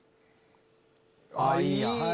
あっいい！